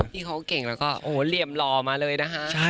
พี่เขาก็เก่งแล้วก็เหลี่ยมหล่อมาเลยนะฮะ